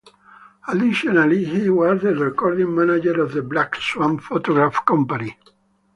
Additionally, he was the recording manager of the Black Swan Phonograph Company.